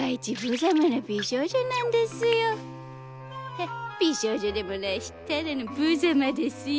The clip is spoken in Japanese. へっ美少女でもないしただのぶざまですよ。